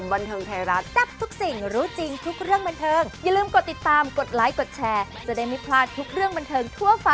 วันที่หนึ่งมีทุนายนมาแล้วนะคะ